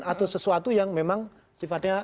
atau sesuatu yang memang sifatnya